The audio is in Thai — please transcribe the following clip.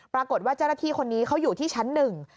ปรากฏว่าเจ้าหน้าที่คนนี้เขาอยู่ที่ชั้นหนึ่ง